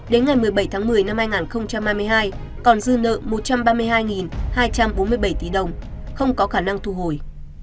đến ngày một mươi bảy tháng một mươi năm hai nghìn hai mươi hai còn dư nợ một trăm ba mươi hai hai trăm bốn mươi bảy tỷ đồng không có khả năng thu hồi